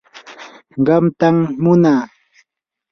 qamtam munaa.